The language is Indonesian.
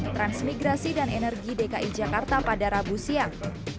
transmigrasi dan energi dki jakarta pada rabu siang